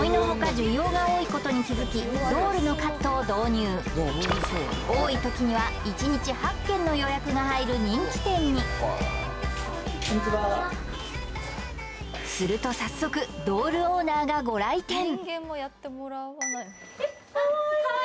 需要が多いことに気づきドールのカットを導入多いときには１日８件の予約が入る人気店にすると早速ドールオーナーがご来店えっ！